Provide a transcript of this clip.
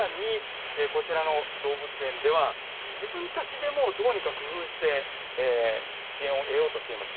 さらに、こちらの動物園では、自分たちでもどうにか工夫して支援を得ようとしています。